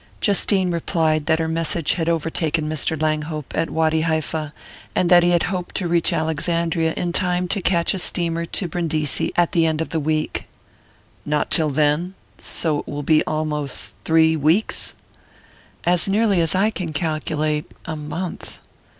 Justine replied that her message had overtaken Mr. Langhope at Wady Haifa, and that he hoped to reach Alexandria in time to catch a steamer to Brindisi at the end of the week. "Not till then? So it will be almost three weeks ?" "As nearly as I can calculate, a month."